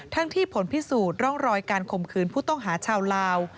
ที่ผลพิสูจน์ร่องรอยการข่มขืนผู้ต้องหาชาวลาว